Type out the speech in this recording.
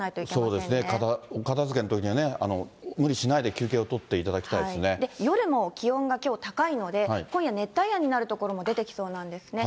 そうですね、お片づけのときは、無理しないで休憩を取ってい夜も気温がきょう、高いので、今夜、熱帯夜になる所も出てきそうなんですね。